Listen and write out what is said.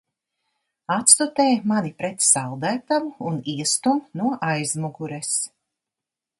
Atstutē mani pret saldētavu un iestum no aizmugures!